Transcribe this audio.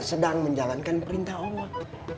sedang menjalankan perintah allah